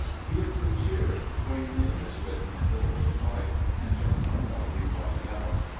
Be of good cheer, for your name is written in the Book of Life, and shall no more be blotted out.